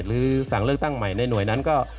หรือสั่งเลือกตั้งใหม่ในหน่วยนั้นก็